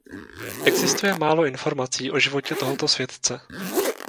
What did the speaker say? Existuje málo informací o životě tohoto světce.